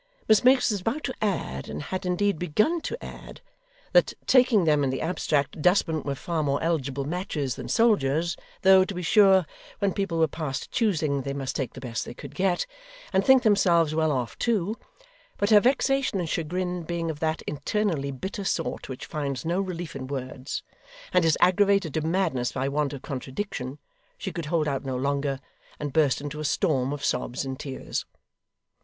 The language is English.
Miss Miggs was about to add, and had, indeed, begun to add, that, taking them in the abstract, dustmen were far more eligible matches than soldiers, though, to be sure, when people were past choosing they must take the best they could get, and think themselves well off too; but her vexation and chagrin being of that internally bitter sort which finds no relief in words, and is aggravated to madness by want of contradiction, she could hold out no longer, and burst into a storm of sobs and tears.